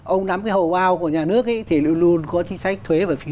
ông nắm cái hầu bao của nhà nước thì luôn luôn có chính sách thuế và phí